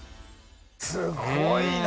すごいな！